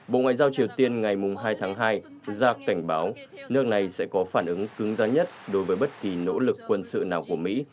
bộ ngoại giao triều tiên ngày hai tháng hai ra cảnh báo nước này sẽ có phản ứng cứng giá nhất đối với bất kỳ nỗ lực quân sự nào của mỹ